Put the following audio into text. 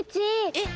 えっ。